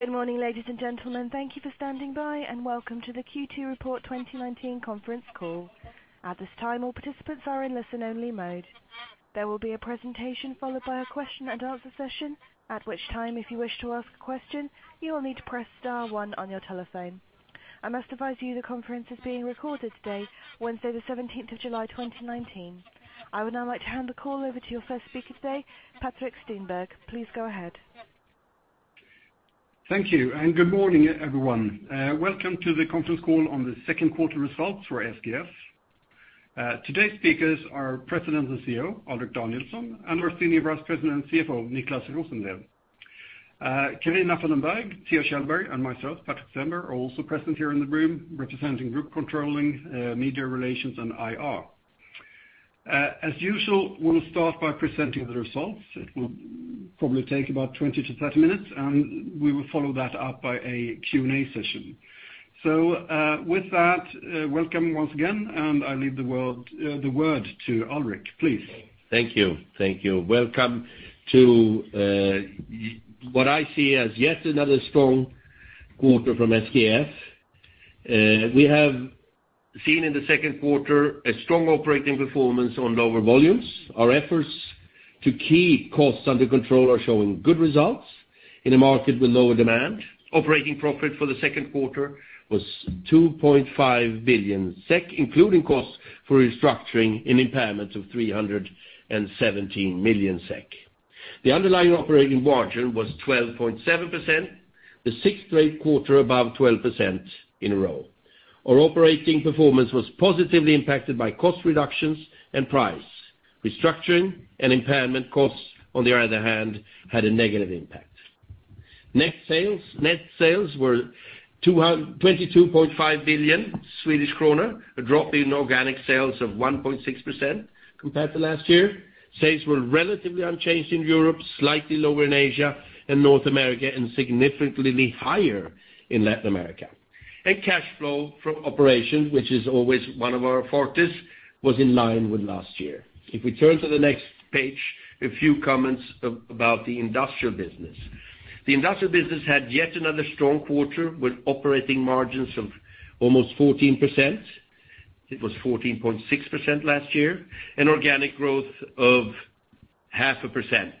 Good morning, ladies and gentlemen. Thank you for standing by, and welcome to the Q2 Report 2019 Conference Call. At this time, all participants are in listen-only mode. There will be a presentation followed by a question and answer session. At which time, if you wish to ask a question, you will need to press star one on your telephone. I must advise you the conference is being recorded today, Wednesday, the 17th of July 2019. I would now like to hand the call over to your first speaker today, Patrik Stenberg. Please go ahead. Thank you. Good morning, everyone. Welcome to the conference call on the second quarter results for SKF. Today's speakers are President and CEO, Alrik Danielson, and our Senior Vice President and CFO, Niclas Rosenlew. Kevin Affenberg, Theo Kjellberg, and myself, Patrik Stenberg, are also present here in the room representing group controlling, media relations, and IR. As usual, we will start by presenting the results. It will probably take about 20-30 minutes, and we will follow that up by a Q&A session. So with that, welcome once again, and I leave the word to Alrik, please. Thank you. Welcome to what I see as yet another strong quarter from SKF. We have seen in the second quarter a strong operating performance on lower volumes. Our efforts to keep costs under control are showing good results in a market with lower demand. Operating profit for the second quarter was 2.5 billion SEK, including costs for restructuring and impairments of 317 million SEK. The underlying operating margin was 12.7%, the sixth straight quarter above 12% in a row. Our operating performance was positively impacted by cost reductions and price. Restructuring and impairment costs, on the other hand, had a negative impact. Net sales were 22.5 billion Swedish kronor, a drop in organic sales of 1.6% compared to last year. Sales were relatively unchanged in Europe, slightly lower in Asia and North America, and significantly higher in Latin America. Cash flow from operations, which is always one of our fortes, was in line with last year. If we turn to the next page, a few comments about the industrial business. The industrial business had yet another strong quarter with operating margins of almost 14%. It was 14.6% last year, and organic growth of half a percent.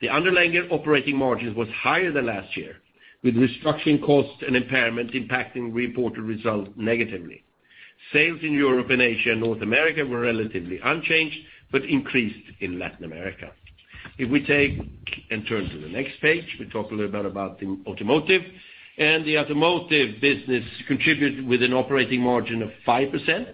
The underlying operating margins was higher than last year, with restructuring costs and impairment impacting reported results negatively. Sales in Europe and Asia and North America were relatively unchanged but increased in Latin America. If we take and turn to the next page, we talk a little bit about the automotive. The automotive business contributed with an operating margin of 5%,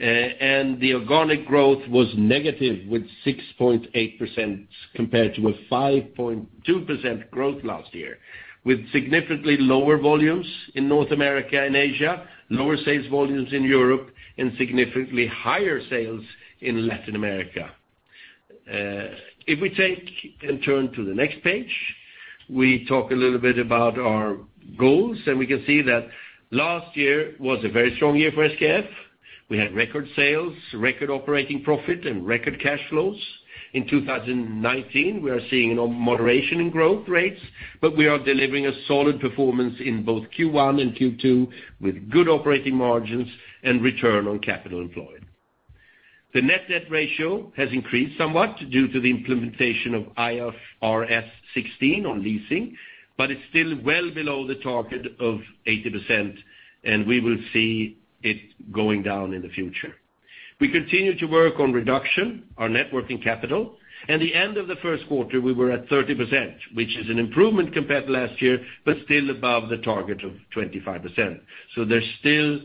the organic growth was negative with 6.8% compared to a 5.2% growth last year, with significantly lower volumes in North America and Asia, lower sales volumes in Europe, and significantly higher sales in Latin America. We turn to the next page, we talk a little bit about our goals, and we can see that last year was a very strong year for SKF. We had record sales, record operating profit, and record cash flows. In 2019, we are seeing moderation in growth rates, we are delivering a solid performance in both Q1 and Q2 with good operating margins and return on capital employed. The net debt ratio has increased somewhat due to the implementation of IFRS 16 on leasing, it's still well below the target of 80%, we will see it going down in the future. We continue to work on reduction our net working capital. At the end of the first quarter, we were at 30%, which is an improvement compared to last year, still above the target of 25%. There's still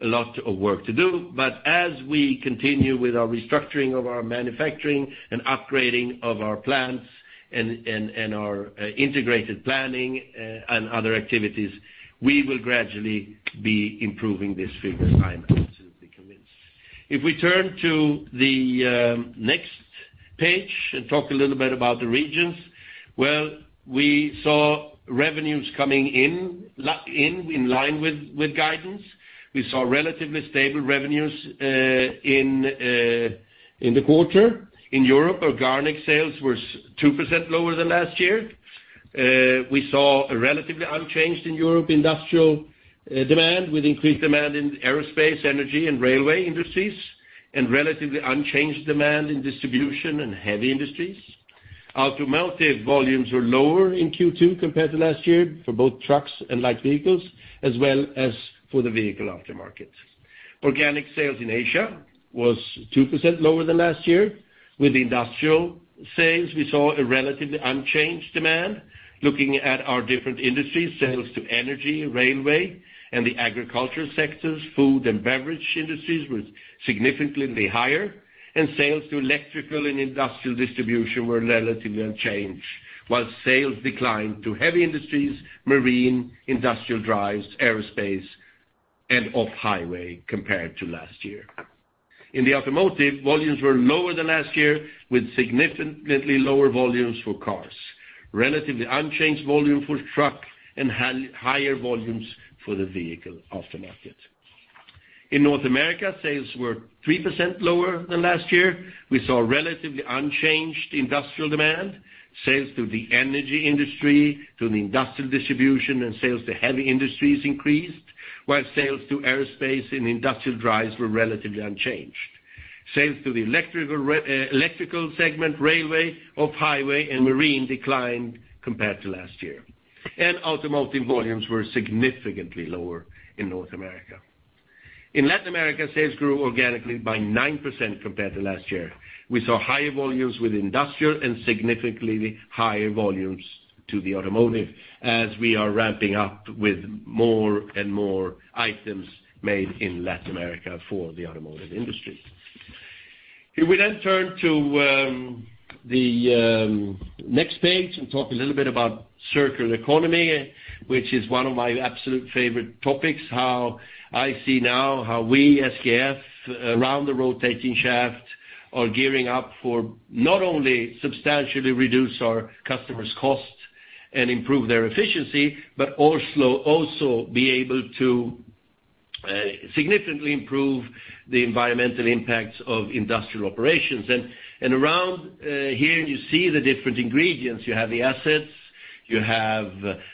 a lot of work to do, as we continue with our restructuring of our manufacturing and upgrading of our plants and our integrated planning and other activities, we will gradually be improving these figures, I'm absolutely convinced. We turn to the next page and talk a little bit about the regions, we saw revenues coming in line with guidance. We saw relatively stable revenues in the quarter. In Europe, organic sales were 2% lower than last year. We saw a relatively unchanged in Europe industrial demand, with increased demand in aerospace, energy, and railway industries, relatively unchanged demand in distribution and heavy industries. Automotive volumes were lower in Q2 compared to last year for both trucks and light vehicles, as well as for the vehicle aftermarket. Organic sales in Asia was 2% lower than last year. With industrial sales, we saw a relatively unchanged demand. Looking at our different industries, sales to energy, railway, and the agricultural sectors, food and beverage industries was significantly higher, sales to electrical and industrial distribution were relatively unchanged. While sales declined to heavy industries, marine, industrial drives, aerospace, and off-highway compared to last year. In the automotive, volumes were lower than last year with significantly lower volumes for cars. Relatively unchanged volume for truck, higher volumes for the vehicle aftermarket. In North America, sales were 3% lower than last year. We saw relatively unchanged industrial demand. Sales to the energy industry, to the industrial distribution, sales to heavy industries increased, while sales to aerospace and industrial drives were relatively unchanged. Sales to the electrical segment, railway, off-highway, and marine declined compared to last year. Automotive volumes were significantly lower in North America. In Latin America, sales grew organically by 9% compared to last year. We saw higher volumes with industrial significantly higher volumes to the automotive, as we are ramping up with more and more items made in Latin America for the automotive industry. If we then turn to the next page and talk a little bit about circular economy, which is one of my absolute favorite topics, how I see now how we, SKF, around the rotating shaft, are gearing up for not only substantially reduce our customers' costs and improve their efficiency, but also be able to significantly improve the environmental impacts of industrial operations. Around here, you see the different ingredients. You have the assets, you have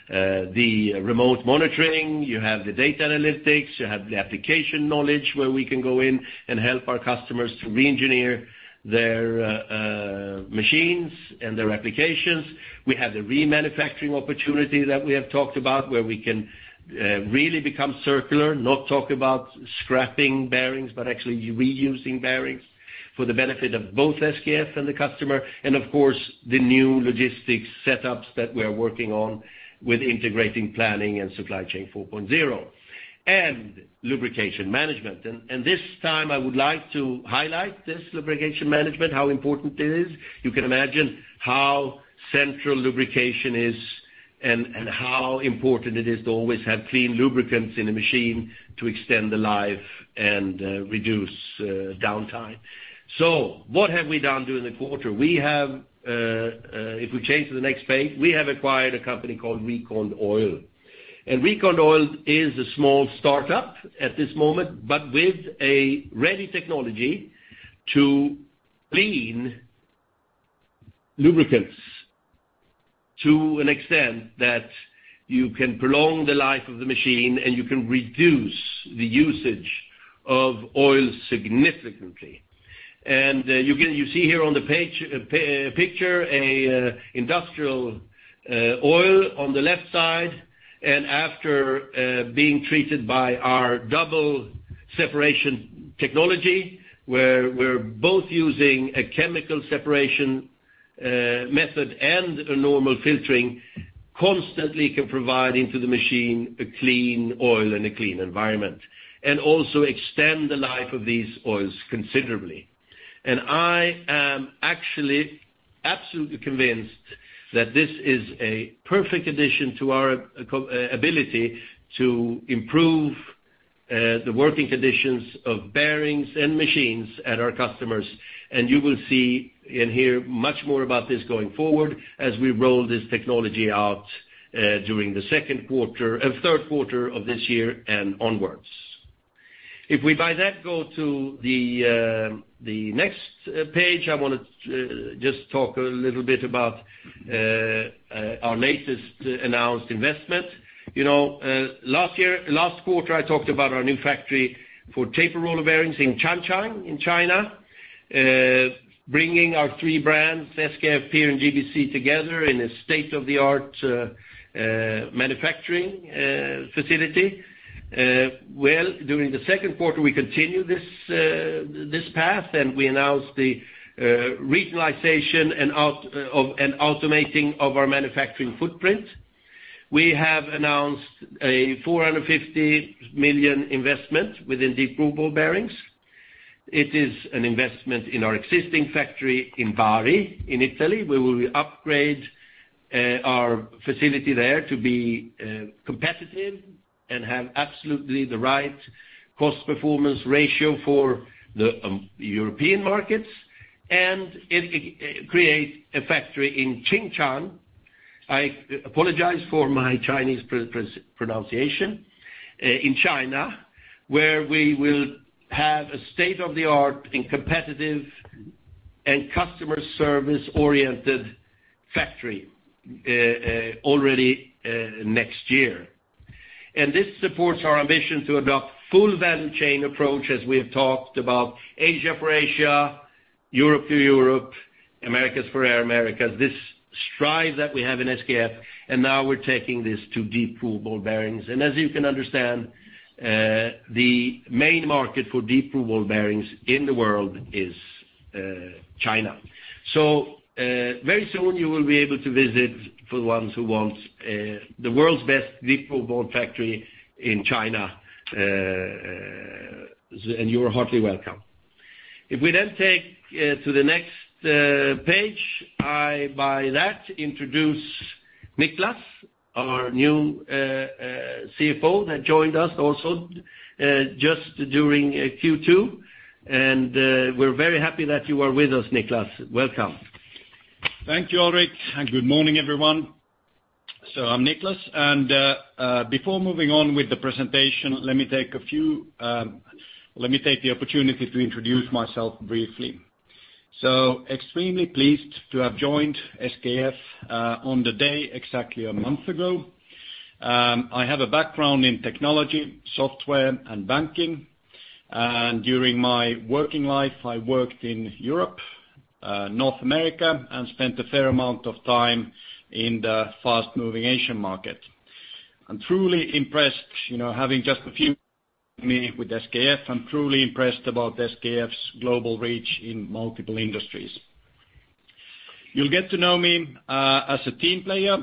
the remote monitoring, you have the data analytics, you have the application knowledge, where we can go in and help our customers to re-engineer their machines and their applications. We have the remanufacturing opportunity that we have talked about, where we can really become circular, not talk about scrapping bearings, but actually reusing bearings for the benefit of both SKF and the customer. Of course, the new logistics setups that we're working on with integrating planning and Supply Chain 4.0. Lubrication management. This time, I would like to highlight this lubrication management, how important it is. You can imagine how central lubrication is and how important it is to always have clean lubricants in a machine to extend the life and reduce downtime. What have we done during the quarter? If we change to the next page, we have acquired a company called RecondOil. RecondOil is a small startup at this moment, but with a ready technology to clean lubricants to an extent that you can prolong the life of the machine and you can reduce the usage of oil significantly. You see here on the picture a industrial oil on the left side, and after being treated by our Double Separation Technology, where we're both using a chemical separation method and a normal filtering, constantly can provide into the machine a clean oil and a clean environment. Also extend the life of these oils considerably. I am actually absolutely convinced that this is a perfect addition to our ability to improve the working conditions of bearings and machines at our customers. You will see and hear much more about this going forward as we roll this technology out during the third quarter of this year and onwards. If we, by that, go to the next page, I want to just talk a little bit about our latest announced investment. Last quarter, I talked about our new factory for tapered roller bearings in Changshan, in China, bringing our three brands, SKF, PEER, and GBC, together in a state-of-the-art manufacturing facility. During the second quarter, we continued this path, and we announced the regionalization and automating of our manufacturing footprint. We have announced a 450 million investment within deep groove ball bearings. It is an investment in our existing factory in Bari, in Italy, where we will upgrade our facility there to be competitive and have absolutely the right cost performance ratio for the European markets, and create a factory in Xinchang. I apologize for my Chinese pronunciation. In China, where we will have a state-of-the-art and competitive and customer service-oriented factory already next year. This supports our ambition to adopt full value chain approach, as we have talked about Asia for Asia, Europe to Europe, Americas for Americas. This strive that we have in SKF, now we're taking this to deep groove ball bearings. As you can understand, the main market for deep groove ball bearings in the world is China. Very soon you will be able to visit, for the ones who want, the world's best deep groove ball factory in China, and you are heartily welcome. If we then take to the next page, I, by that, introduce Niclas, our new CFO, that joined us also just during Q2. We're very happy that you are with us, Niclas. Welcome. Thank you, Alrik. Good morning, everyone. I'm Niclas, and before moving on with the presentation, let me take the opportunity to introduce myself briefly. Extremely pleased to have joined SKF on the day, exactly a month ago. I have a background in technology, software, and banking. During my working life, I worked in Europe, North America, and spent a fair amount of time in the fast-moving Asian market. I'm truly impressed. I'm truly impressed about SKF's global reach in multiple industries. You'll get to know me as a team player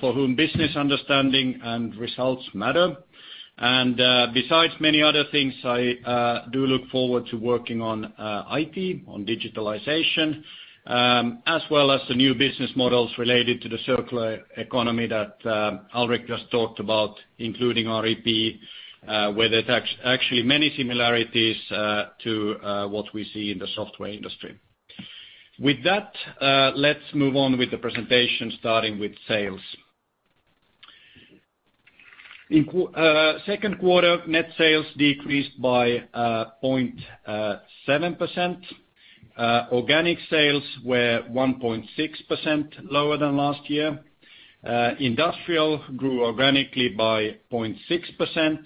for whom business understanding and results matter. Besides many other things, I do look forward to working on IT, on digitalization, as well as the new business models related to the circular economy that Alrik just talked about, including ERP, where there's actually many similarities to what we see in the software industry. With that, let's move on with the presentation, starting with sales. In second quarter, net sales decreased by 0.7%. Organic sales were 1.6% lower than last year. Industrial grew organically by 0.6%,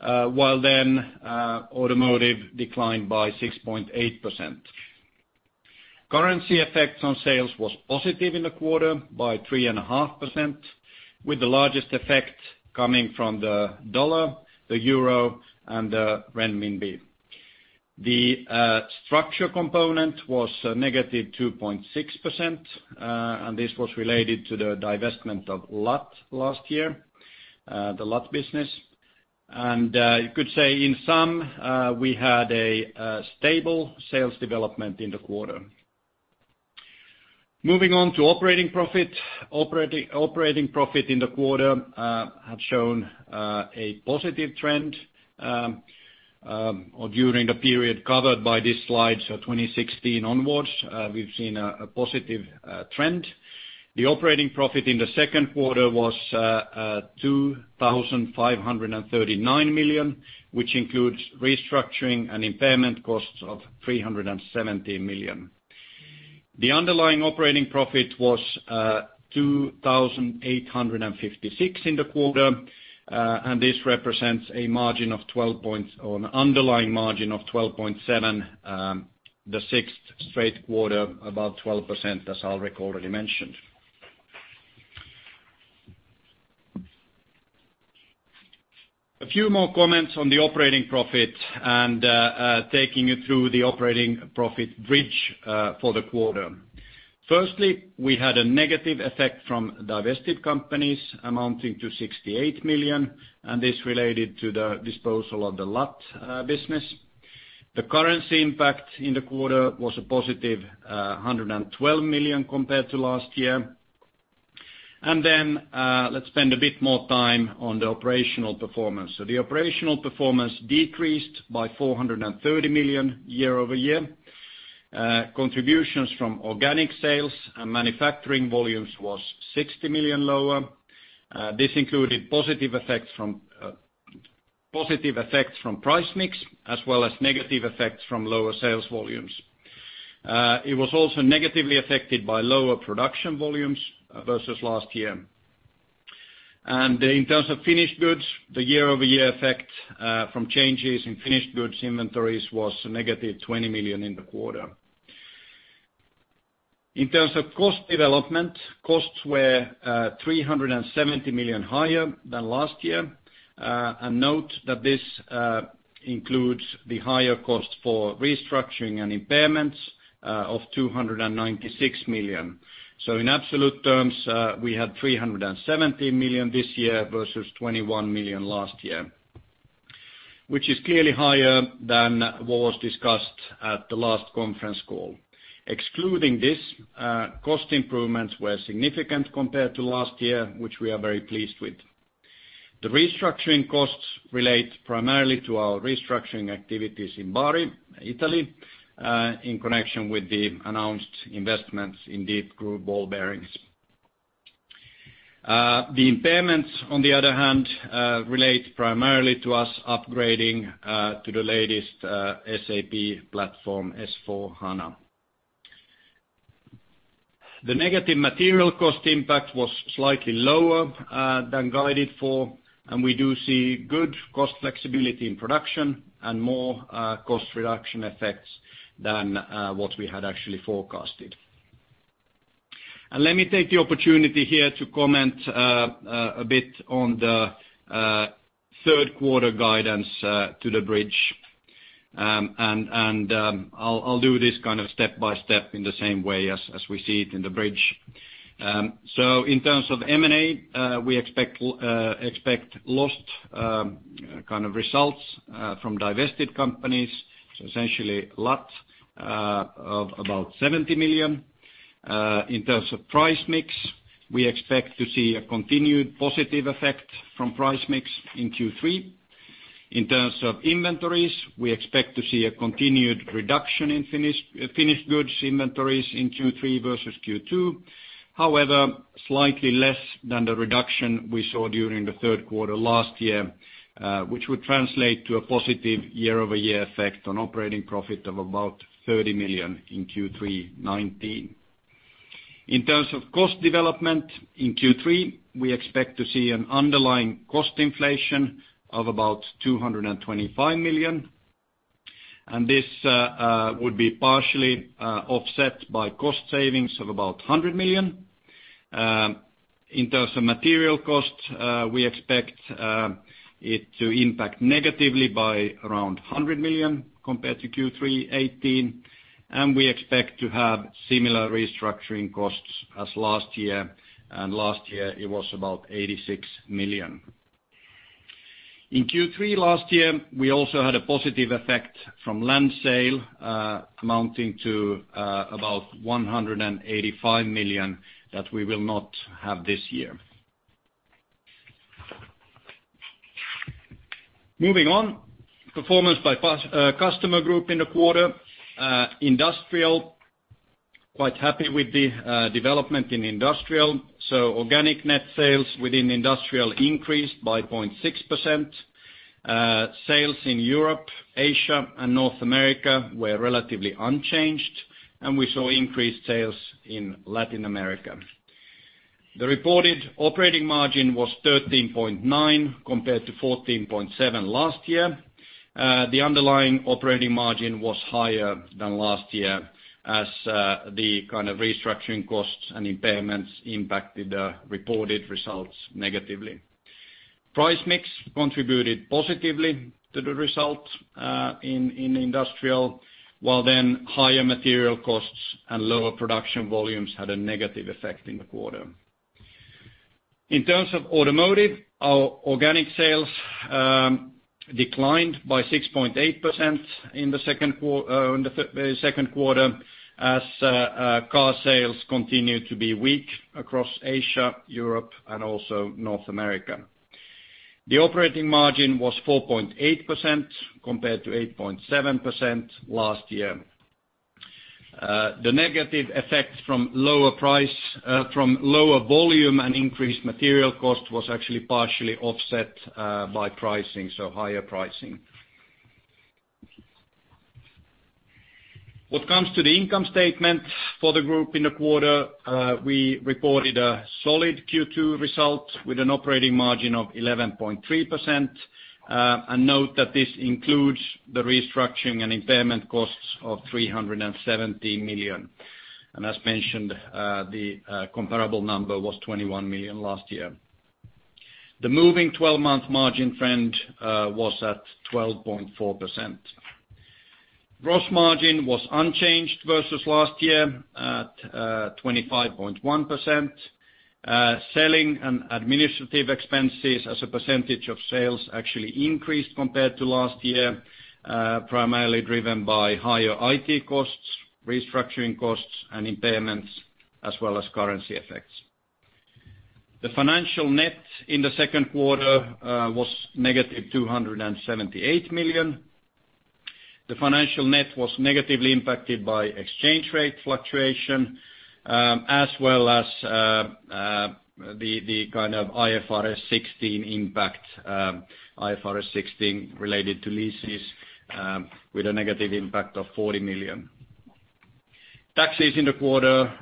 while then automotive declined by 6.8%. Currency effects on sales was positive in the quarter by 3.5%, with the largest effect coming from the dollar, the euro, and the renminbi. The structure component was a negative 2.6%, and this was related to the divestment of L&AT last year, the L&AT business. You could say, in sum, we had a stable sales development in the quarter. Moving on to operating profit. Operating profit in the quarter have shown a positive trend, or during the period covered by this slide, 2016 onwards, we've seen a positive trend. The operating profit in the second quarter was 2,539 million, which includes restructuring and impairment costs of 370 million. The underlying operating profit was 2,856 million in the quarter, and this represents an underlying margin of 12.7%, the sixth straight quarter, about 12%, as Alrik already mentioned. A few more comments on the operating profit and taking you through the operating profit bridge for the quarter. Firstly, we had a negative effect from divested companies amounting to 68 million, and this related to the disposal of the L&AT business. The currency impact in the quarter was a positive 112 million compared to last year. Let's spend a bit more time on the operational performance. The operational performance decreased by 430 million year-over-year. Contributions from organic sales and manufacturing volumes was 60 million lower. This included positive effects from price mix as well as negative effects from lower sales volumes. It was also negatively affected by lower production volumes versus last year. In terms of finished goods, the year-over-year effect from changes in finished goods inventories was a -20 million in the quarter. In terms of cost development, costs were 370 million higher than last year. Note that this includes the higher cost for restructuring and impairments of 296 million. In absolute terms, we had 370 million this year versus 21 million last year, which is clearly higher than what was discussed at the last conference call. Excluding this, cost improvements were significant compared to last year, which we are very pleased with. The restructuring costs relate primarily to our restructuring activities in Bari, Italy, in connection with the announced investments in deep groove ball bearings. The impairments, on the other hand, relate primarily to us upgrading to the latest SAP platform, S/4HANA. The negative material cost impact was slightly lower than guided for, and we do see good cost flexibility in production and more cost reduction effects than what we had actually forecasted. Let me take the opportunity here to comment a bit on the third quarter guidance to the bridge. I'll do this step by step in the same way as we see it in the bridge. In terms of M&A, we expect lost results from divested companies. Essentially, L&AT of about 70 million. In terms of price mix, we expect to see a continued positive effect from price mix in Q3. In terms of inventories, we expect to see a continued reduction in finished goods inventories in Q3 versus Q2. However, slightly less than the reduction we saw during the third quarter last year, which would translate to a positive year-over-year effect on operating profit of about 30 million in Q3 2019. In terms of cost development in Q3, we expect to see an underlying cost inflation of about 225 million, and this would be partially offset by cost savings of about 100 million. In terms of material costs, we expect it to impact negatively by around 100 million compared to Q3 2018, and we expect to have similar restructuring costs as last year. Last year it was about 86 million. In Q3 last year, we also had a positive effect from land sale, amounting to about 185 million that we will not have this year. Moving on. Performance by customer group in the quarter. Industrial, quite happy with the development in industrial. Organic net sales within industrial increased by 0.6%. Sales in Europe, Asia and North America were relatively unchanged, and we saw increased sales in Latin America. The reported operating margin was 13.9% compared to 14.7% last year. The underlying operating margin was higher than last year as the kind of restructuring costs and impairments impacted the reported results negatively. Price mix contributed positively to the result in industrial, while then higher material costs and lower production volumes had a negative effect in the quarter. In terms of automotive, our organic sales declined by 6.8% in the second quarter, as car sales continued to be weak across Asia, Europe and also North America. The operating margin was 4.8% compared to 8.7% last year. The negative effect from lower volume and increased material cost was actually partially offset by pricing, so higher pricing. What comes to the income statement for the group in the quarter, we reported a solid Q2 result with an operating margin of 11.3%. Note that this includes the restructuring and impairment costs of 370 million. As mentioned, the comparable number was 21 million last year. The moving 12-month margin trend was at 12.4%. Gross margin was unchanged versus last year at 25.1%. Selling and administrative expenses as a percentage of sales actually increased compared to last year, primarily driven by higher IT costs, restructuring costs and impairments, as well as currency effects. The financial net in the second quarter was -278 million. The financial net was negatively impacted by exchange rate fluctuation, as well as the kind of IFRS 16 impact. IFRS 16 related to leases with a negative impact of 40 million. Taxes in the quarter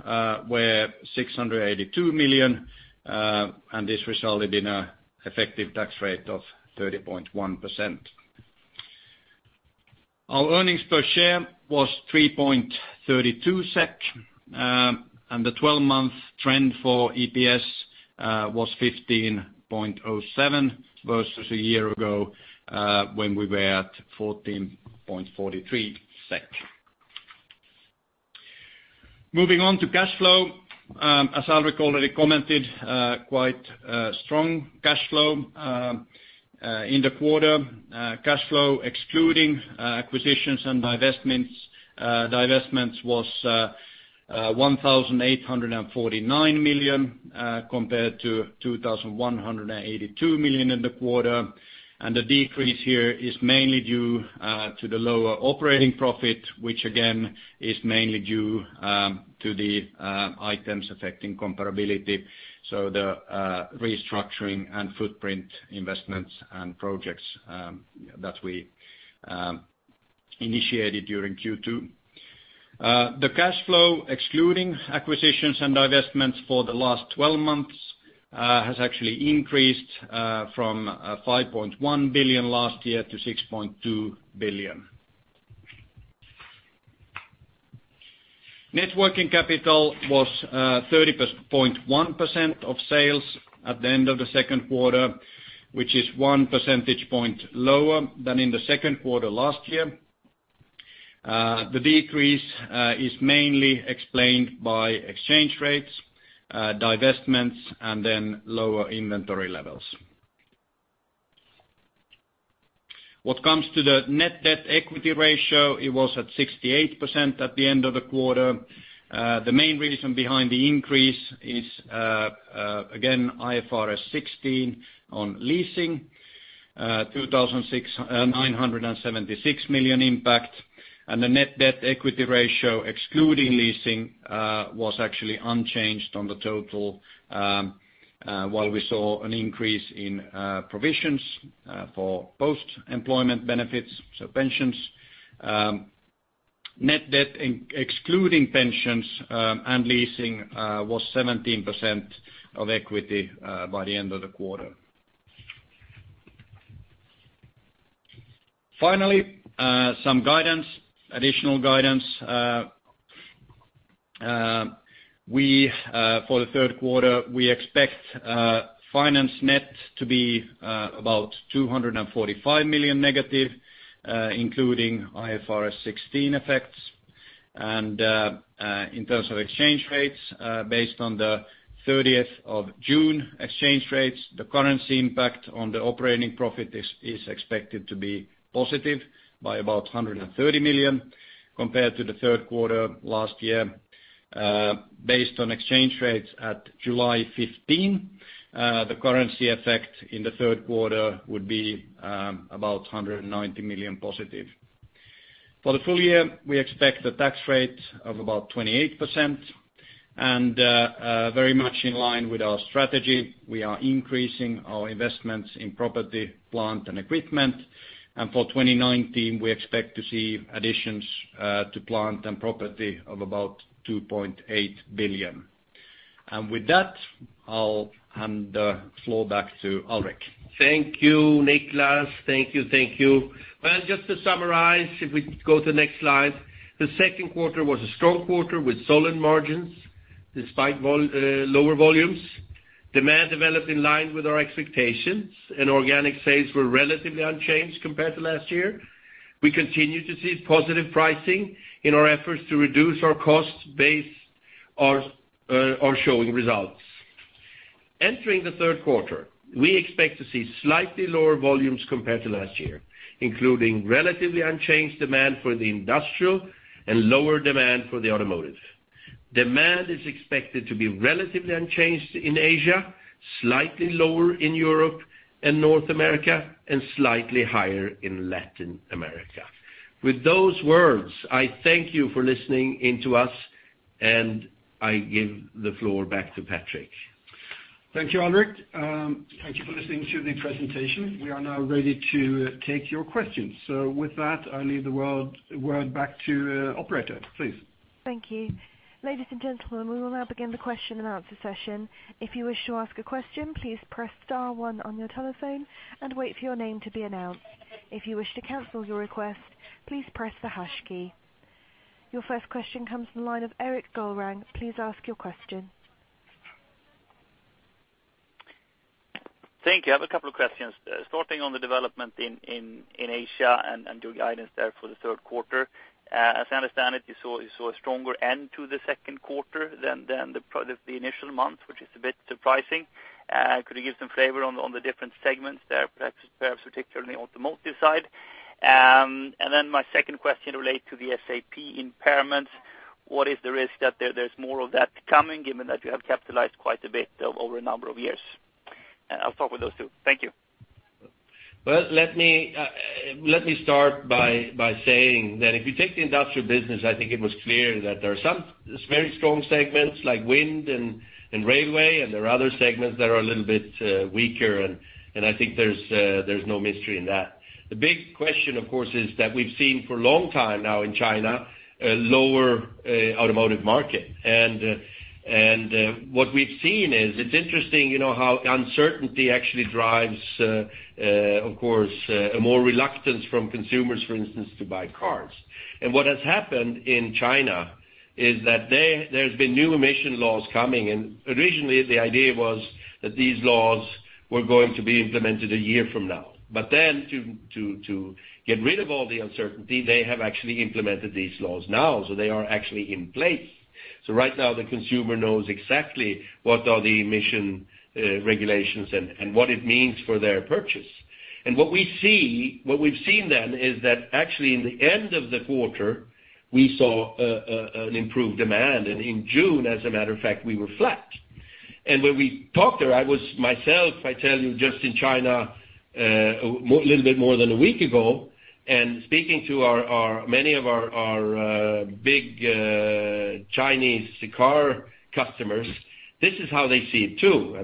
were 682 million, and this resulted in an effective tax rate of 30.1%. Our earnings per share was 3.32 SEK. The 12-month trend for EPS was 15.07 versus a year ago, when we were at 14.43 SEK. Moving on to cash flow. As Alrik already commented, quite strong cash flow in the quarter. Cash flow excluding acquisitions and divestments was 1,849 million, compared to 2,182 million in the quarter. The decrease here is mainly due to the lower operating profit, which again is mainly due to the items affecting comparability. The restructuring and footprint investments and projects that we initiated during Q2. The cash flow, excluding acquisitions and divestments for the last 12 months, has actually increased from 5.1 billion last year to 6.2 billion. Net working capital was 30.1% of sales at the end of the second quarter, which is one percentage point lower than in the second quarter last year. The decrease is mainly explained by exchange rates, divestments and then lower inventory levels. What comes to the net debt equity ratio, it was at 68% at the end of the quarter. The main reason behind the increase is, again, IFRS 16 on leasing. 2,976 million impact. The net debt equity ratio, excluding leasing, was actually unchanged on the total, while we saw an increase in provisions for post-employment benefits, so pensions. Net debt, excluding pensions and leasing, was 17% of equity by the end of the quarter. Finally, some additional guidance. For the third quarter, we expect finance net to be about 245 million negative, including IFRS 16 effects. In terms of exchange rates, based on the 30th of June exchange rates, the currency impact on the operating profit is expected to be positive by about 130 million compared to the third quarter last year. Based on exchange rates at July 15, the currency effect in the third quarter would be about 190 million positive. For the full year, we expect the tax rate of about 28%. Very much in line with our strategy, we are increasing our investments in property, plant, and equipment. For 2019, we expect to see additions to plant and property of about 2.8 billion. With that, I will hand the floor back to Alrik. Thank you, Niclas. Thank you. Just to summarize, if we go to the next slide. The second quarter was a strong quarter with solid margins, despite lower volumes. Demand developed in line with our expectations. Organic sales were relatively unchanged compared to last year. We continue to see positive pricing in our efforts to reduce our cost base are showing results. Entering the third quarter, we expect to see slightly lower volumes compared to last year, including relatively unchanged demand for the industrial and lower demand for the automotive. Demand is expected to be relatively unchanged in Asia, slightly lower in Europe and North America, and slightly higher in Latin America. With those words, I thank you for listening in to us. I give the floor back to Patrik. Thank you, Alrik. Thank you for listening to the presentation. We are now ready to take your questions. With that, I leave the word back to operator, please. Thank you. Ladies and gentlemen, we will now begin the question and answer session. If you wish to ask a question, please press star one on your telephone and wait for your name to be announced. If you wish to cancel your request, please press the hash key. Your first question comes from the line of Erik Golrang. Please ask your question. Thank you. I have a couple of questions. Starting on the development in Asia and your guidance there for the third quarter. As I understand it, you saw a stronger end to the second quarter than the initial month, which is a bit surprising. Could you give some flavor on the different segments there, perhaps particularly on the automotive side? My second question relates to the SAP impairments. What is the risk that there's more of that coming, given that you have capitalized quite a bit over a number of years? I'll start with those two. Thank you. Well, let me start by saying that if you take the industrial business, I think it was clear that there are some very strong segments like wind and railway, and there are other segments that are a little bit weaker, and I think there's no mystery in that. The big question, of course, is that we've seen for a long time now in China, a lower automotive market. What we've seen is, it's interesting how uncertainty actually drives, of course, a more reluctance from consumers, for instance, to buy cars. What has happened in China is that there's been new emission laws coming, and originally the idea was that these laws were going to be implemented a year from now. To get rid of all the uncertainty, they have actually implemented these laws now, so they are actually in place. Right now, the consumer knows exactly what are the emission regulations and what it means for their purchase. What we've seen then is that actually in the end of the quarter, we saw an improved demand. In June, as a matter of fact, we were flat. When we talked, myself, I tell you just in China a little bit more than one week ago, and speaking to many of our big Chinese car customers, this is how they see it, too.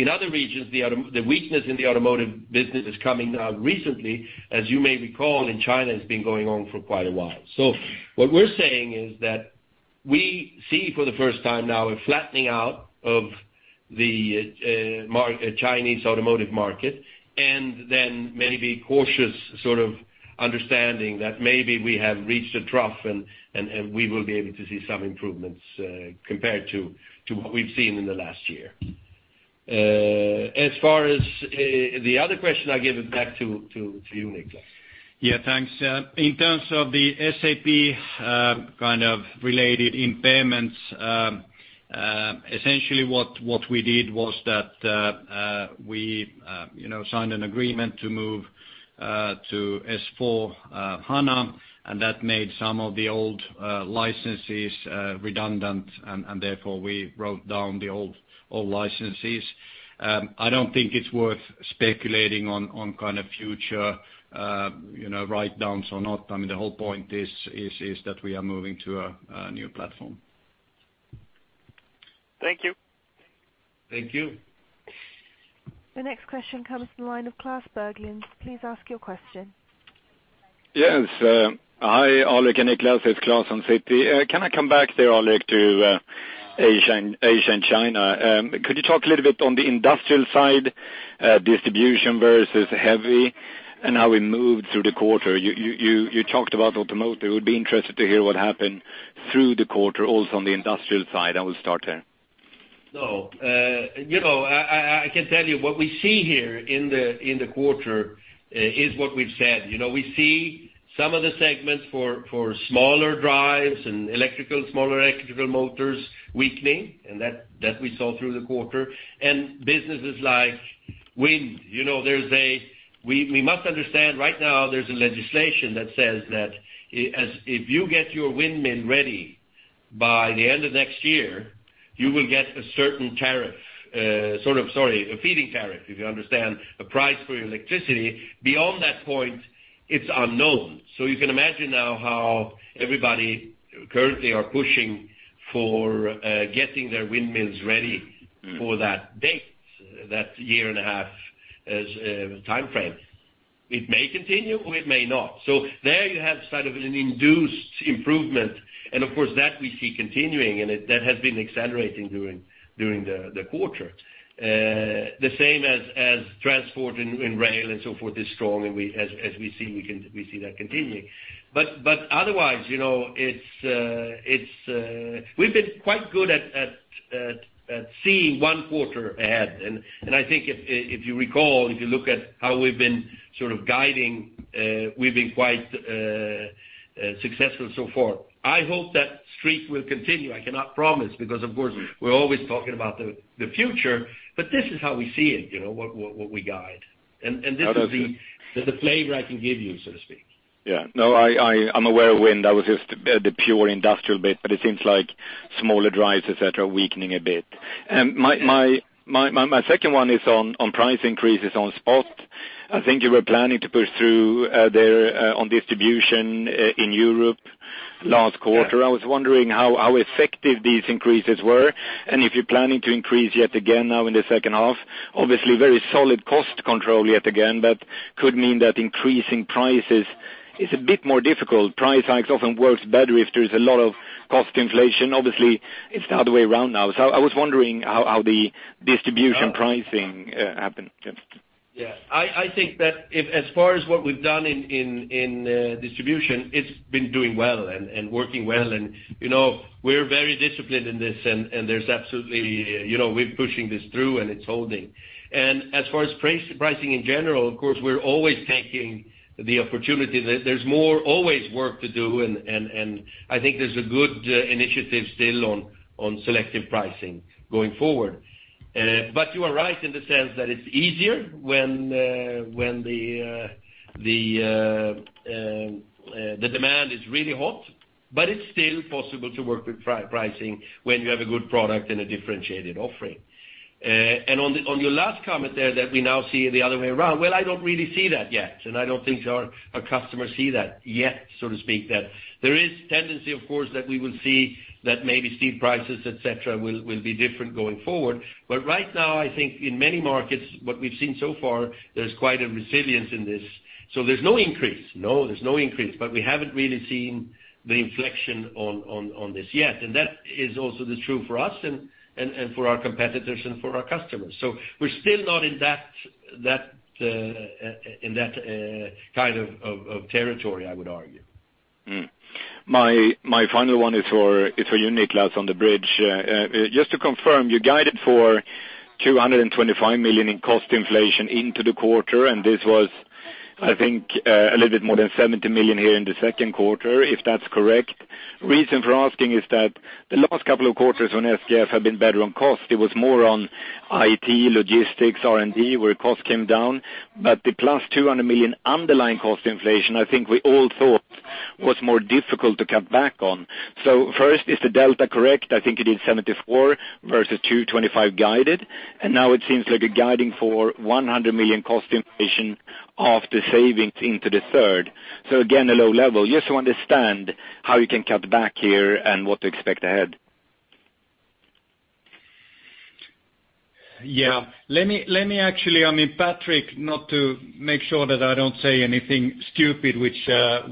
In other regions, the weakness in the automotive business is coming now recently, as you may recall, in China, it's been going on for quite a while. What we're saying is that we see for the first time now a flattening out of the Chinese automotive market, and then maybe cautious understanding that maybe we have reached a trough, and we will be able to see some improvements compared to what we've seen in the last year. As far as the other question, I give it back to you, Niclas. Yeah, thanks. In terms of the SAP kind of related impairments, essentially what we did was that we signed an agreement to move to S/4HANA, that made some of the old licenses redundant, therefore, we wrote down the old licenses. I don't think it's worth speculating on future write-downs or not. The whole point is that we are moving to a new platform. Thank you. Thank you. The next question comes from the line of Klas Bergelind. Please ask your question. Yes. Hi, Alrik and Niclas. It's Klas on Citi. Can I come back there, Alrik, to Asia and China? Could you talk a little bit on the industrial side, distribution versus heavy, and how we moved through the quarter? You talked about automotive. Would be interested to hear what happened through the quarter also on the industrial side. I will start there. No. I can tell you what we see here in the quarter is what we've said. We see some of the segments for smaller drives and electrical, smaller electrical motors weakening, and that we saw through the quarter. Businesses like wind, we must understand right now there's a legislation that says that, if you get your wind mill ready by the end of next year, you will get a certain tariff, sort of, sorry, a feeding tariff, if you understand, a price for your electricity. Beyond that point, it's unknown. You can imagine now how everybody currently are pushing for getting their wind mills ready for that date, that year and a half as a timeframe. It may continue, or it may not. There you have sort of an induced improvement. Of course, that we see continuing, and that has been accelerating during the quarter. The same as transport in rail and so forth is strong, as we see that continuing. Otherwise, we've been quite good at seeing one quarter ahead, and I think if you recall, if you look at how we've been sort of guiding, we've been quite successful so far. I hope that streak will continue. I cannot promise because, of course, we're always talking about the future, but this is how we see it, what we guide. Understood. This is the flavor I can give you, so to speak. Yeah. No, I'm aware of wind. That was just the pure industrial bit, but it seems like smaller drives, et cetera, are weakening a bit. My second one is on price increases on spot. I think you were planning to push through there on distribution in Europe last quarter. I was wondering how effective these increases were, and if you're planning to increase yet again now in the second half. Obviously, very solid cost control yet again, but could mean that increasing prices is a bit more difficult. Price hikes often works better if there's a lot of cost inflation. Obviously, it's the other way around now. I was wondering how the distribution pricing happened. Yeah. I think that as far as what we've done in distribution, it's been doing well and working well, and we're very disciplined in this, and we're pushing this through, and it's holding. As far as pricing in general, of course, we're always taking the opportunity. There's more always work to do, and I think there's a good initiative still on selective pricing going forward. You are right in the sense that it's easier when the demand is really hot, but it's still possible to work with pricing when you have a good product and a differentiated offering. On your last comment there that we now see the other way around. Well, I don't really see that yet, and I don't think our customers see that yet, so to speak. That there is tendency, of course, that we will see that maybe steel prices, et cetera, will be different going forward. Right now, I think in many markets, what we've seen so far, there's quite a resilience in this. There's no increase. No, there's no increase, but we haven't really seen the inflection on this yet, and that is also true for us, and for our competitors, and for our customers. We're still not in that kind of territory, I would argue. My final one is for you, Niclas, on the bridge. Just to confirm, you guided for 225 million in cost inflation into the quarter, and this was, I think, a little bit more than 70 million here in the second quarter, if that's correct. Reason for asking is that the last couple of quarters on SKF have been better on cost. It was more on IT, logistics, R&D, where cost came down. But the +200 million underlying cost inflation, I think we all thought was more difficult to cut back on. First, is the delta correct? I think it is 74 versus 225 guided, and now it seems like a guiding for 100 million cost inflation of the savings into the third. Again, a low level. Just to understand how you can cut back here and what to expect ahead. Patrik, not to make sure that I don't say anything stupid, which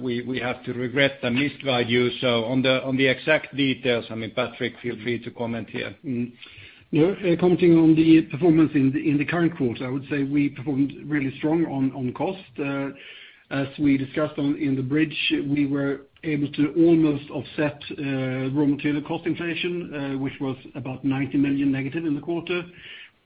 we have to regret and misguide you. On the exact details, Patrik, feel free to comment here. Commenting on the performance in the current quarter, I would say we performed really strong on cost. As we discussed in the bridge, we were able to almost offset raw material cost inflation, which was about 90 million negative in the quarter.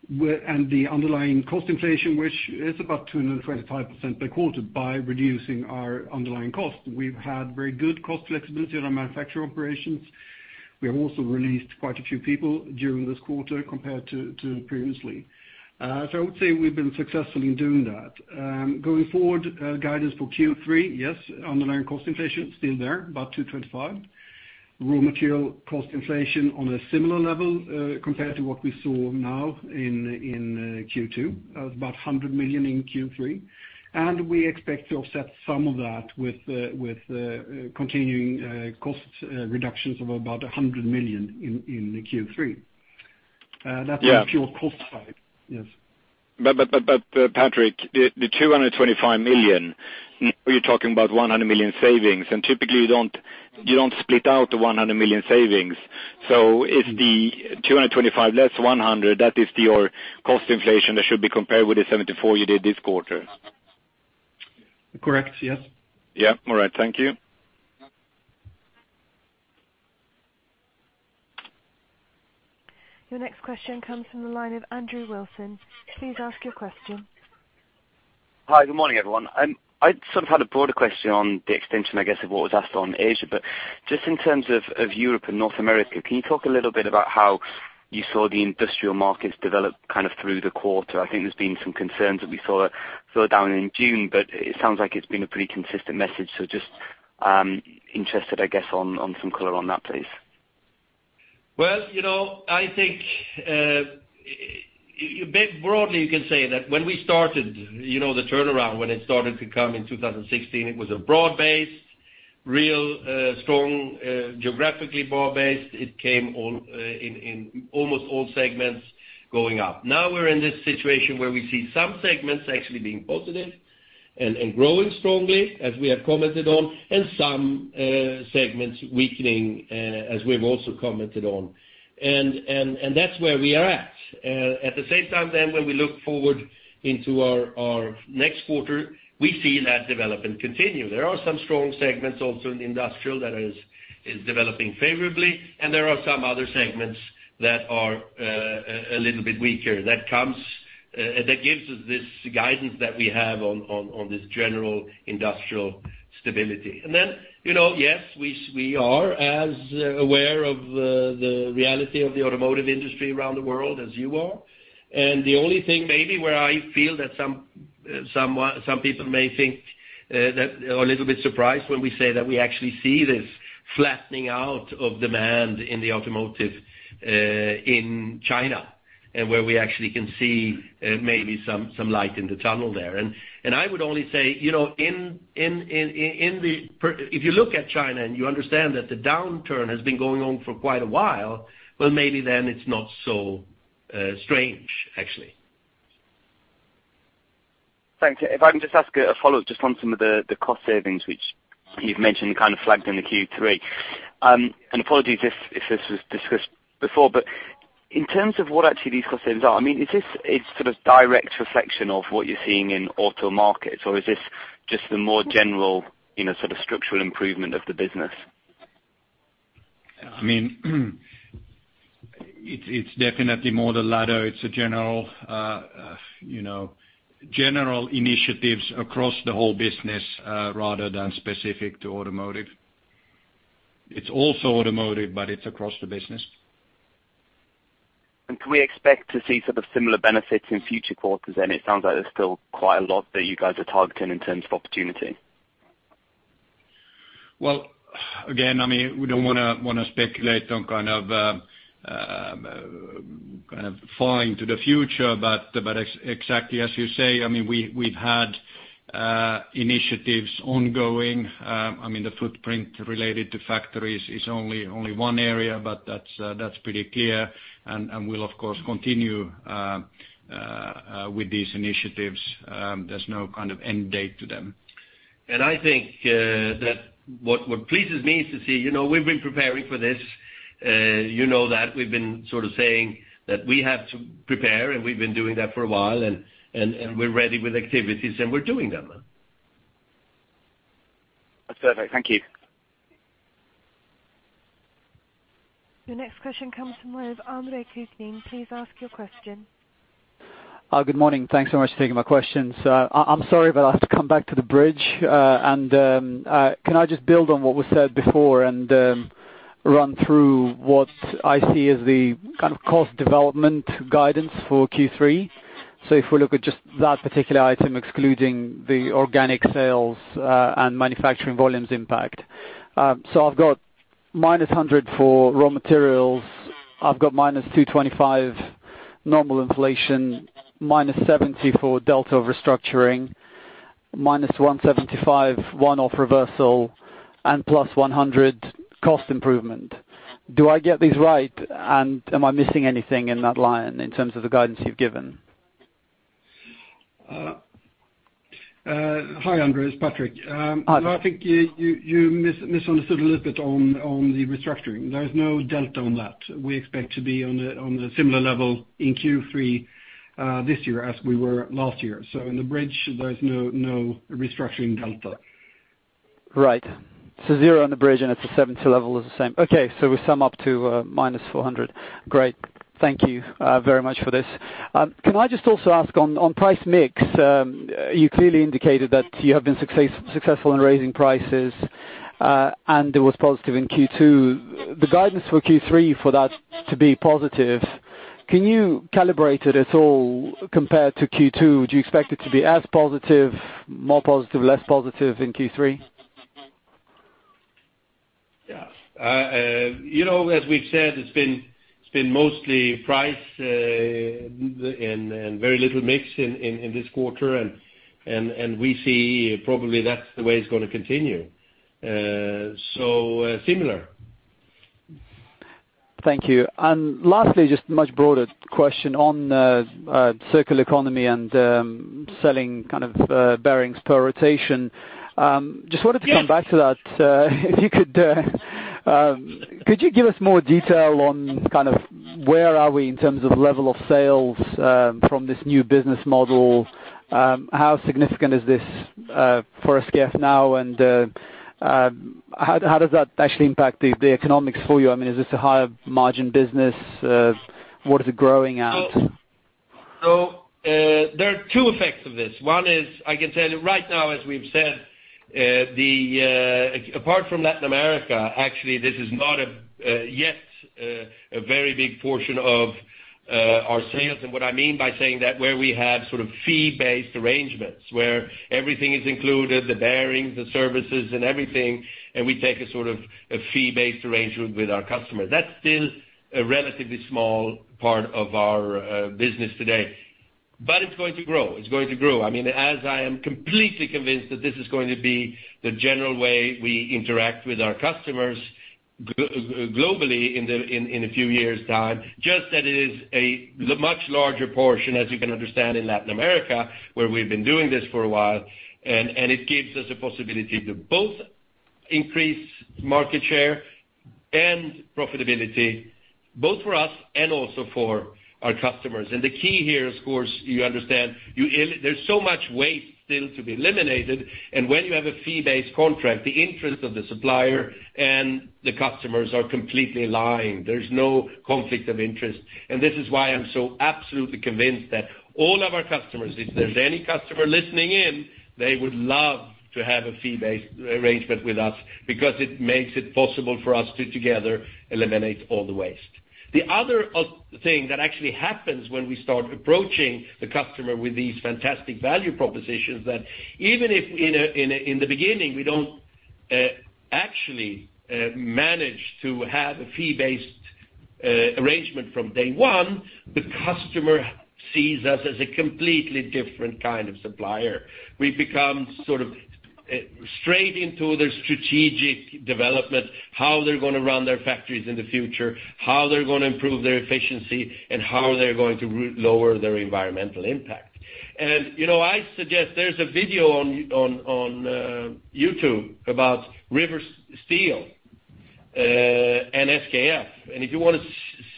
The underlying cost inflation, which is about 225 million per quarter by reducing our underlying cost. We've had very good cost flexibility in our manufacturing operations. We have also released quite a few people during this quarter compared to previously. I would say we've been successful in doing that. Going forward, guidance for Q3, yes, underlying cost inflation still there, about 225. Raw material cost inflation on a similar level, compared to what we saw now in Q2, about 100 million in Q3. We expect to offset some of that with continuing cost reductions of about 100 million in Q3. That's on the pure cost side. Yes. Patrik, the 225 million, you're talking about 100 million savings, and typically you don't split out the 100 million savings. If the 225, less 100, that is your cost inflation that should be compared with the 74 you did this quarter? Correct, yes. Yeah. All right. Thank you. Your next question comes from the line of Andrew Wilson. Please ask your question. Hi. Good morning, everyone. I sort of had a broader question on the extension, I guess, of what was asked on Asia. Just in terms of Europe and North America, can you talk a little bit about how you saw the industrial markets develop kind of through the quarter? I think there's been some concerns that we saw a further down in June, but it sounds like it's been a pretty consistent message. Just, interested, I guess, on some color on that, please. Well, I think, broadly you can say that when we started the turnaround, when it started to come in 2016, it was a broad-based, real strong geographically broad-based. It came in almost all segments going up. Now we're in this situation where we see some segments actually being positive and growing strongly, as we have commented on, and some segments weakening, as we have also commented on. That's where we are at. At the same time, when we look forward into our next quarter, we see that development continue. There are some strong segments also in industrial that is developing favorably, and there are some other segments that are a little bit weaker. That gives us this guidance that we have on this general industrial stability. Yes, we are as aware of the reality of the automotive industry around the world as you are, and the only thing maybe where I feel that some people may think that are a little bit surprised when we say that we actually see this flattening out of demand in the automotive in China and where we actually can see maybe some light in the tunnel there. I would only say, if you look at China and you understand that the downturn has been going on for quite a while, well, maybe then it's not so strange, actually. Thanks. If I can just ask a follow-up just on some of the cost savings, which you've mentioned, you kind of flagged in the Q3. Apologies if this was discussed before, but in terms of what actually these cost savings are, I mean, is this a sort of direct reflection of what you're seeing in auto markets, or is this just the more general, sort of structural improvement of the business? I mean, it's definitely more the latter. It's a general initiatives across the whole business, rather than specific to automotive. It's also automotive, but it's across the business. Can we expect to see sort of similar benefits in future quarters then? It sounds like there's still quite a lot that you guys are targeting in terms of opportunity. Well, again, I mean, we don't want to speculate on kind of falling to the future. Exactly as you say, I mean, we've had initiatives ongoing. I mean, the footprint related to factories is only one area, but that's pretty clear, and we'll of course continue with these initiatives. There's no kind of end date to them. I think that what pleases me is to see we've been preparing for this. You know that. We've been sort of saying that we have to prepare, and we've been doing that for a while, and we're ready with activities, and we're doing them. That's perfect. Thank you. Your next question comes from Andre Kukhnin. Please ask your question. Good morning. Thanks so much for taking my questions. I'm sorry, I have to come back to the bridge. Can I just build on what was said before and run through what I see as the kind of cost development guidance for Q3? If we look at just that particular item, excluding the organic sales, and manufacturing volumes impact. I've got -100 for raw materials. I've got -225 normal inflation, -70 for delta restructuring, -175 one-off reversal, and +100 cost improvement. Do I get these right? And am I missing anything in that line in terms of the guidance you've given? Hi, Andre. It's Patrik. Hi. I think you misunderstood a little bit on the restructuring. There is no delta on that. We expect to be on a similar level in Q3 this year as we were last year. In the bridge, there is no restructuring delta. Right. Zero on the bridge, it is a level 70 is the same. Okay. We sum up to -400. Great. Thank you very much for this. Can I just also ask on price mix? You clearly indicated that you have been successful in raising prices, and there was positive in Q2. The guidance for Q3 for that to be positive, can you calibrate it at all compared to Q2? Do you expect it to be as positive, more positive, less positive in Q3? Yeah. As we have said, it has been mostly price and very little mix in this quarter. We see probably that is the way it is going to continue. Similar. Thank you. Lastly, just much broader question on circular economy and selling bearings per rotation. Just wanted to come back to that. Could you give us more detail on where are we in terms of level of sales from this new business model? How significant is this for SKF now? How does that actually impact the economics for you? I mean, is this a higher margin business? What is it growing at? There are two effects of this. One is, I can tell you right now, as we have said, apart from Latin America, actually, this is not yet a very big portion of our sales. What I mean by saying that, where we have fee-based arrangements, where everything is included, the bearings, the services, and everything, and we take a fee-based arrangement with our customers. That is still a relatively small part of our business today. It is going to grow. I mean, as I am completely convinced that this is going to be the general way we interact with our customers globally in a few years' time. Just that it is a much larger portion, as you can understand, in Latin America, where we've been doing this for a while, it gives us a possibility to both increase market share and profitability, both for us and also for our customers. The key here is, of course, you understand, there's so much waste still to be eliminated, and when you have a fee-based contract, the interest of the supplier and the customers are completely aligned. There's no conflict of interest. This is why I'm so absolutely convinced that all of our customers, if there's any customer listening in, they would love to have a fee-based arrangement with us because it makes it possible for us to together eliminate all the waste. The other thing that actually happens when we start approaching the customer with these fantastic value propositions that even if in the beginning, we don't actually manage to have a fee-based arrangement from day one, the customer sees us as a completely different kind of supplier. We become sort of straight into their strategic development, how they're going to run their factories in the future, how they're going to improve their efficiency, and how they're going to lower their environmental impact. I suggest there's a video on YouTube about Big River Steel and SKF. If you want to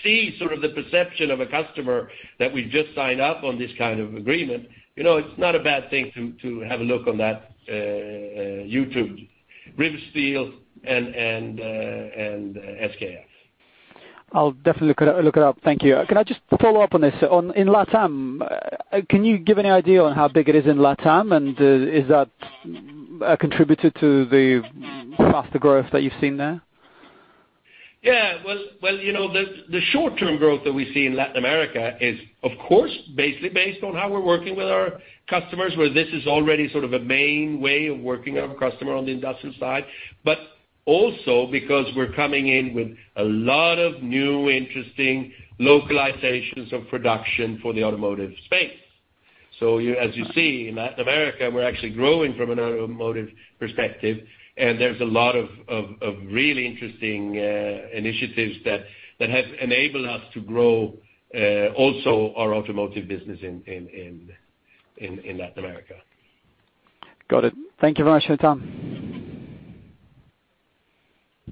see sort of the perception of a customer that we've just signed up on this kind of agreement, it's not a bad thing to have a look on that YouTube, Big River Steel and SKF. I'll definitely look it up. Thank you. Can I just follow up on this? In LATAM, can you give any idea on how big it is in LATAM? Is that a contributor to the faster growth that you've seen there? Yeah. Well, the short-term growth that we see in Latin America is, of course, basically based on how we're working with our customers, where this is already sort of a main way of working our customer on the industrial side, also because we're coming in with a lot of new, interesting localizations of production for the automotive space. As you see, in Latin America, we're actually growing from an automotive perspective, there's a lot of really interesting initiatives that have enabled us to grow also our automotive business in Latin America. Got it. Thank you very much for your time.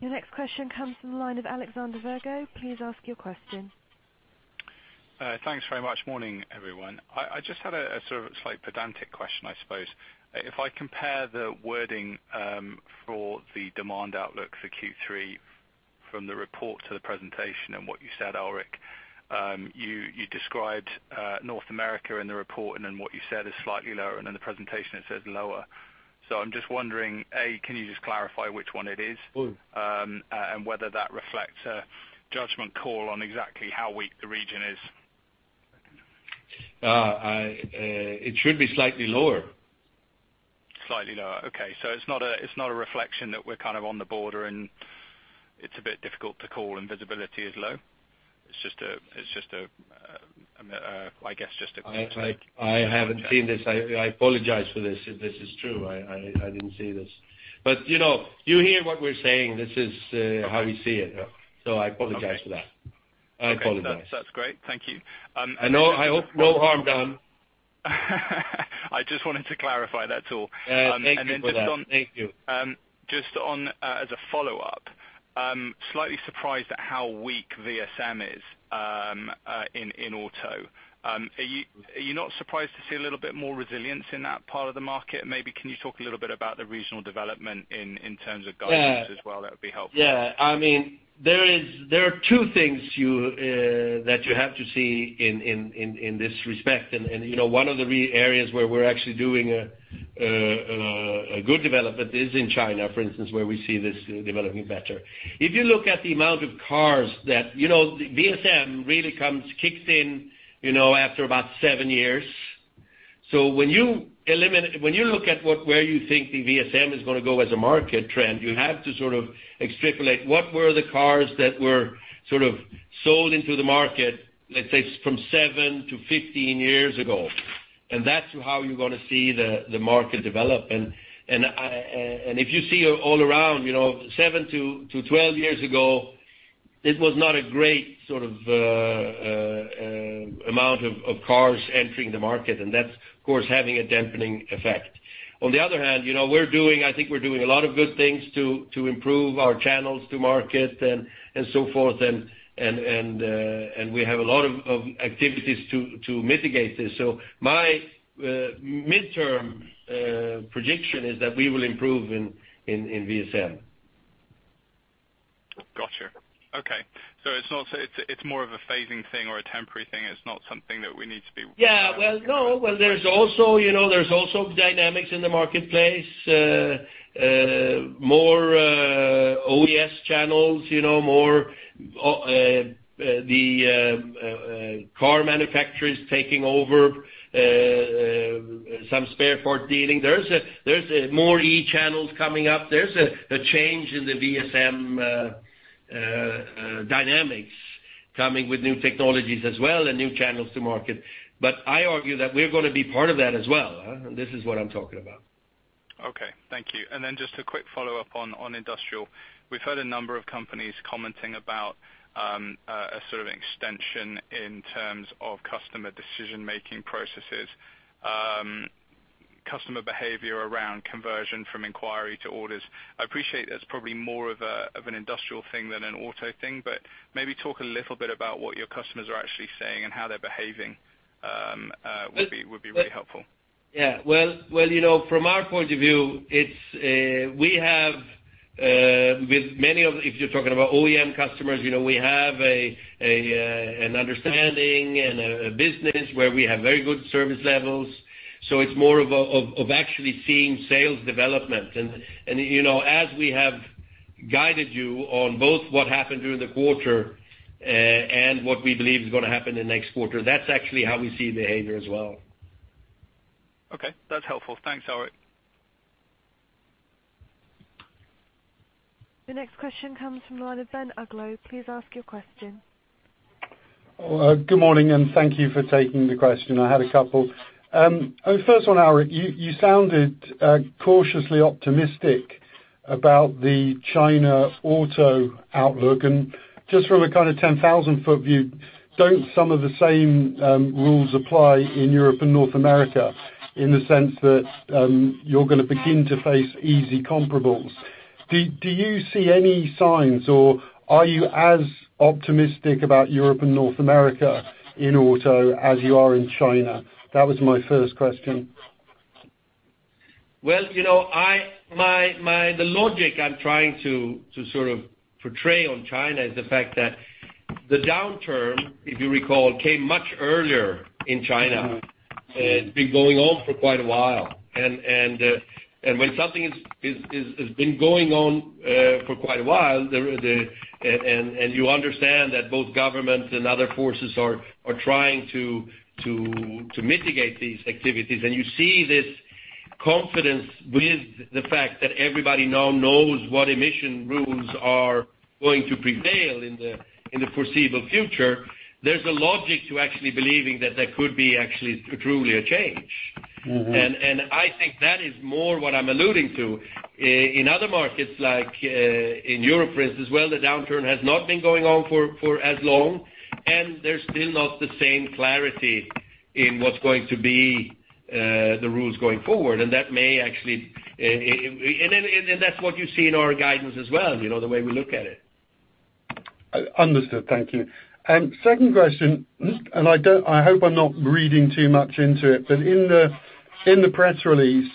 Your next question comes from the line of Alexander Virgo. Please ask your question. Thanks very much. Morning, everyone. I just had a sort of a slight pedantic question, I suppose. If I compare the wording for the demand outlook for Q3 from the report to the presentation and what you said, Alrik. You described North America in the report, and then what you said is slightly lower, and in the presentation it says lower. I'm just wondering, A, can you just clarify which one it is? Whether that reflects a judgment call on exactly how weak the region is. It should be slightly lower. Slightly lower. Okay. It's not a reflection that we're kind of on the border, and it's a bit difficult to call and visibility is low. I haven't seen this. I apologize for this if this is true. I didn't see this. You hear what we're saying. This is how we see it. I apologize for that. Okay. I apologize. That's great. Thank you. I know. I hope no harm done. I just wanted to clarify that's all. Yeah. Thank you for that. Thank you. Just on, as a follow-up, I'm slightly surprised at how weak VSM is in auto. Are you not surprised to see a little bit more resilience in that part of the market, maybe? Can you talk a little bit about the regional development in terms of guidance as well? That would be helpful. Yeah. I mean, there are two things that you have to see in this respect, one of the key areas where we're actually doing a good development is in China, for instance, where we see this developing better. If you look at the amount of cars that VSM really kicks in after about seven years. When you look at where you think the VSM is going to go as a market trend, you have to sort of extrapolate what were the cars that were sold into the market, let's say from 7-15 years ago. That's how you're going to see the market develop. If you see all around, 7-12 years ago, it was not a great sort of amount of cars entering the market. That's, of course, having a dampening effect. On the other hand, I think we're doing a lot of good things to improve our channels to market and so forth, we have a lot of activities to mitigate this. My midterm prediction is that we will improve in VSM. Got you. Okay. It's more of a phasing thing or a temporary thing. It's not something that we need to be. Well, no. There's also dynamics in the marketplace. More OES channels. The car manufacturers taking over some spare part dealing. There's more e-channels coming up. There's a change in the VSM dynamics coming with new technologies as well, and new channels to market. I argue that we're going to be part of that as well. This is what I'm talking about. Okay. Thank you. Then just a quick follow-up on industrial. We've heard a number of companies commenting about a sort of extension in terms of customer decision-making processes, customer behavior around conversion from inquiry to orders. I appreciate that's probably more of an industrial thing than an auto thing, maybe talk a little bit about what your customers are actually saying and how they're behaving, would be really helpful. Well, from our point of view, if you're talking about OEM customers, we have an understanding and a business where we have very good service levels. It's more of actually seeing sales development. As we have guided you on both what happened during the quarter, and what we believe is going to happen in next quarter, that's actually how we see behavior as well. Okay. That's helpful. Thanks, Alrik. The next question comes from the line of Ben Uglow. Please ask your question. Good morning, thank you for taking the question. I had a couple. First one, Alrik, you sounded cautiously optimistic about the China auto outlook, just from a kind of 10,000 foot view, don't some of the same rules apply in Europe and North America in the sense that you're going to begin to face easy comparables? Do you see any signs, or are you as optimistic about Europe and North America in auto as you are in China? That was my first question. Well, the logic I'm trying to sort of portray on China is the fact that the downturn, if you recall, came much earlier in China. It's been going on for quite a while. When something has been going on for quite a while, and you understand that both governments and other forces are trying to mitigate these activities, and you see this confidence with the fact that everybody now knows what emission rules are going to prevail in the foreseeable future, there's a logic to actually believing that that could be actually truly a change. I think that is more what I'm alluding to. In other markets, like in Europe, for instance, where the downturn has not been going on for as long, there's still not the same clarity in what's going to be the rules going forward. That's what you see in our guidance as well, the way we look at it. Understood. Thank you. Second question, I hope I'm not reading too much into it, in the press release,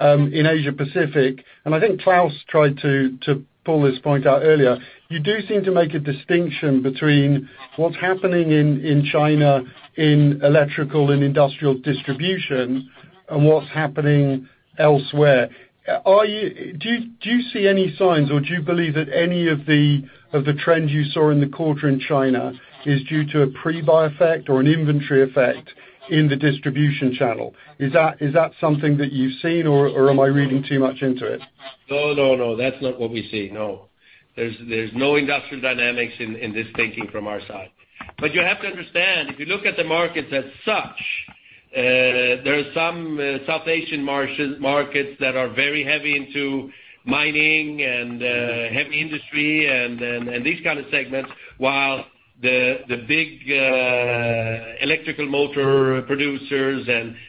in Asia Pacific, I think Klas tried to pull this point out earlier, you do seem to make a distinction between what's happening in China in electrical and industrial distribution and what's happening elsewhere. Do you see any signs, or do you believe that any of the trends you saw in the quarter in China is due to a pre-buy effect or an inventory effect in the distribution channel? Is that something that you've seen, or am I reading too much into it? No. That's not what we see, no. There's no industrial dynamics in this thinking from our side. You have to understand, if you look at the markets as such, there are some South Asian markets that are very heavy into mining and heavy industry and these kind of segments, while the big electrical motor producers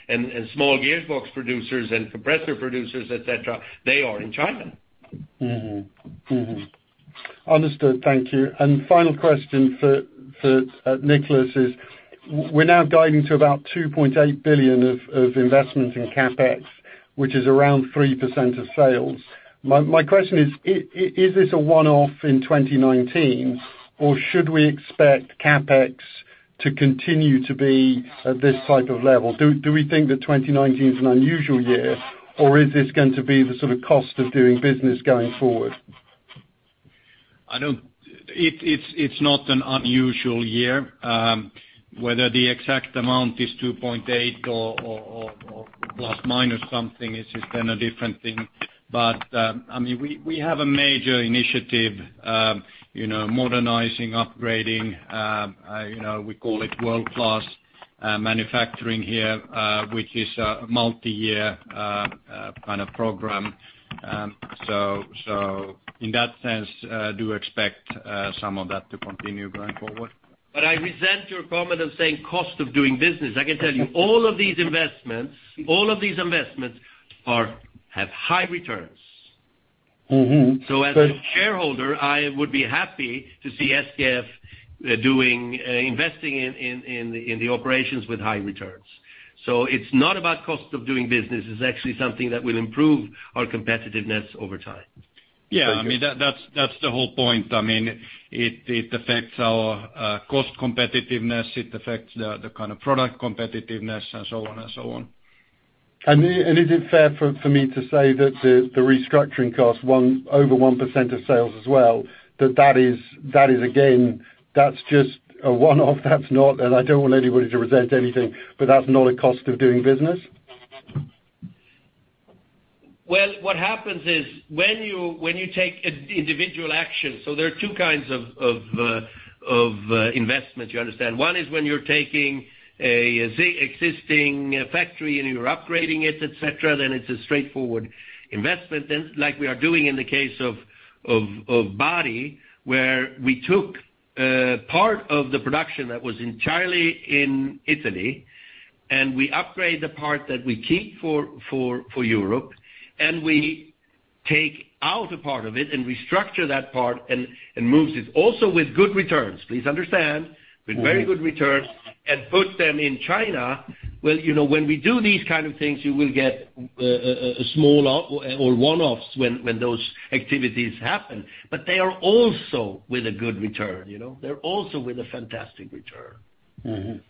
and small gearbox producers and compressor producers, et cetera, they are in China. Mm-hmm. Understood. Thank you. Final question for Niclas is, we're now guiding to about 2.8 billion of investment in CapEx, which is around 3% of sales. My question is this a one-off in 2019, or should we expect CapEx to continue to be at this type of level? Do we think that 2019 is an unusual year, or is this going to be the sort of cost of doing business going forward? It's not an unusual year. Whether the exact amount is 2.8 or plus, minus something, it's just a different thing. We have a major initiative, modernizing, upgrading, we call it world-class manufacturing here, which is a multi-year kind of program. In that sense, do expect some of that to continue going forward. I resent your comment of saying cost of doing business. I can tell you, all of these investments have high returns. As a shareholder, I would be happy to see SKF investing in the operations with high returns. It's not about cost of doing business. It's actually something that will improve our competitiveness over time. Yeah. That's the whole point. It affects our cost competitiveness, it affects the kind of product competitiveness and so on. Is it fair for me to say that the restructuring cost over 1% of sales as well, that is again, that's just a one-off, that's not, and I don't want anybody to resent anything, but that's not a cost of doing business? Well, what happens is when you take individual action, so there are two kinds of investment, you understand? One is when you're taking existing factory and you're upgrading it, et cetera, then it is a straightforward investment. Then, like we are doing in the case of Bari, where we took part of the production that was entirely in Italy, and we upgrade the part that we keep for Europe, and we take out a part of it and restructure that part and moves it. Also with good returns, please understand, with very good returns, and put them in China. Well, when we do these kind of things, you will get a small or one-offs when those activities happen. They are also with a good return. They're also with a fantastic return.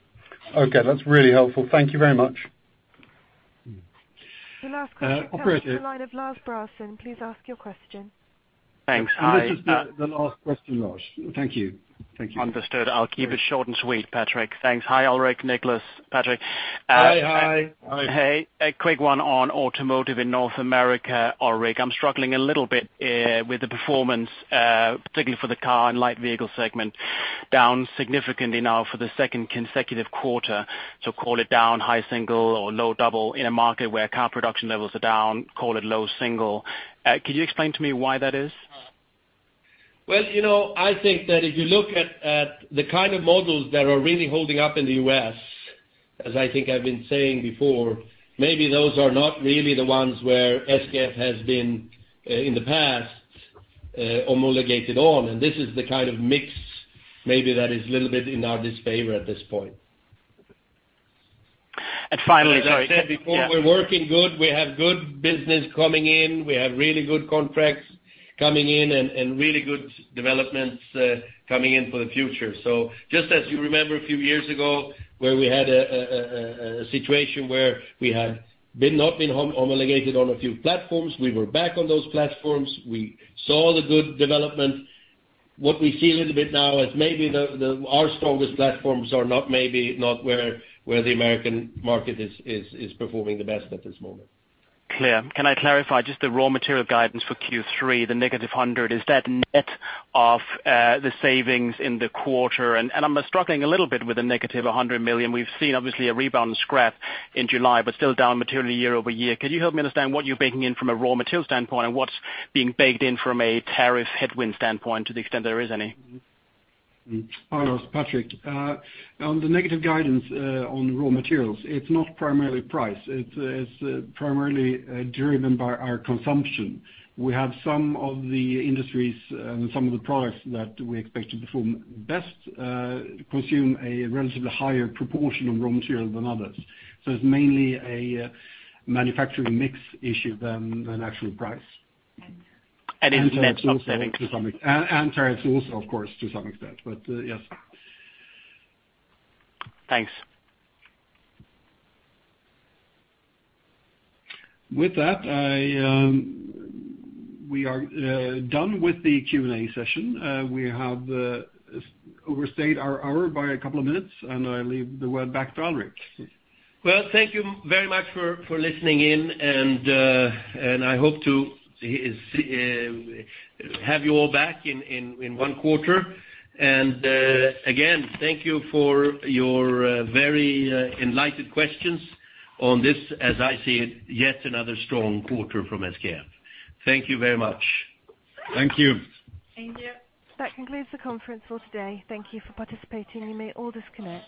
Okay, that's really helpful. Thank you very much. The last question comes from the line of Lars Brorson. Please ask your question. This is the last question, Lars. Thank you. Understood. I'll keep it short and sweet, Patrik. Thanks. Hi, Alrik, Niclas, Patrik. Hi. Hi. Hey. A quick one on automotive in North America, Alrik. I'm struggling a little bit with the performance, particularly for the car and light vehicle segment, down significantly now for the second consecutive quarter. Call it down high single or low double in a market where car production levels are down, call it low single. Could you explain to me why that is? Well, I think that if you look at the kind of models that are really holding up in the U.S., as I think I've been saying before, maybe those are not really the ones where SKF has been, in the past, homologated on. This is the kind of mix maybe that is little bit in our disfavor at this point. Finally, sorry. As I said before, we're working good. We have good business coming in. We have really good contracts coming in and really good developments coming in for the future. Just as you remember a few years ago where we had a situation where we had not been homologated on a few platforms. We were back on those platforms. We saw the good development. What we see a little bit now is maybe our strongest platforms are not where the American market is performing the best at this moment. Clear. Can I clarify just the raw material guidance for Q3, the -100, is that net of the savings in the quarter? I'm struggling a little bit with the -100 million. We've seen obviously a rebound in scrap in July, but still down materially year-over-year. Could you help me understand what you're baking in from a raw material standpoint and what's being baked in from a tariff headwind standpoint to the extent there is any? Hi, Lars. Patrik. On the negative guidance on raw materials, it's not primarily price. It's primarily driven by our consumption. We have some of the industries and some of the products that we expect to perform best, consume a relatively higher proportion of raw material than others. It's mainly a manufacturing mix issue than actual price. Instead of upsetting- Tariffs also, of course, to some extent, but yes. Thanks. With that, we are done with the Q&A session. We have overstayed our hour by a couple of minutes, and I leave the word back to Alrik. Well, thank you very much for listening in. I hope to have you all back in one quarter. Again, thank you for your very enlightened questions on this, as I see it, yet another strong quarter from SKF. Thank you very much. Thank you. Thank you. That concludes the conference for today. Thank you for participating. You may all disconnect.